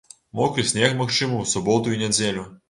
Мокры снег магчымы ў суботу і нядзелю.